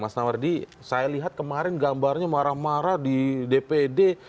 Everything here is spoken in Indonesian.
mas nawardi saya lihat kemarin gambarnya marah marah di dpd